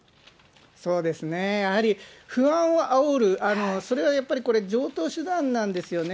そうですね、やはり不安をあおる、それはやっぱりこれ、常とう手段なんですよね。